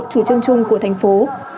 chủ trương chung của thành phố